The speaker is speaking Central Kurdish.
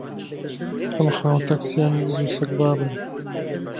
ئەم خاوەن تاکسییانە دز و سەگبابن